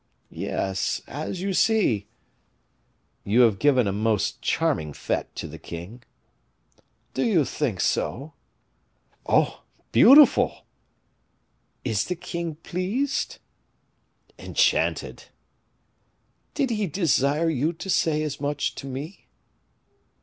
"Yes; as you see." "You have given a most charming fete to the king." "Do you think so?" "Oh! beautiful!" "Is the king pleased?" "Enchanted." "Did he desire you to say as much to me?"